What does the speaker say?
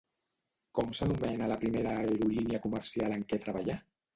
Com s'anomena la primera aerolínia comercial en què treballà?